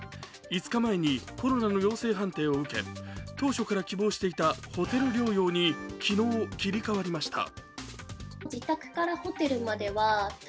５日前にコロナの陽性判定を受け当初から希望していたホテル療養に昨日、切り替わりました。